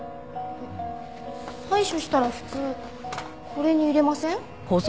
えっ採取したら普通これに入れません？